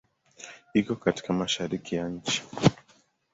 Iko katika Mashariki ya nchi.